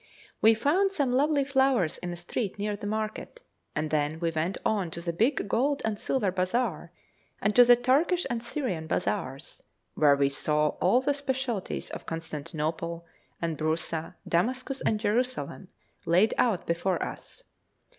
We found some lovely flowers in a street near the market, and then we went on to the big gold and silver bazaar, and to the Turkish and Syrian bazaars, where we saw all the specialities of Constantinople, and Broussa, Damascus, and Jerusalem laid out before us.